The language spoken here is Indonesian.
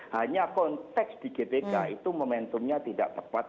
hanya konteks di gbk itu momentumnya tidak tepat